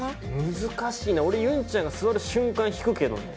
難しいな俺ゆんちゃんが座る瞬間引くけどね。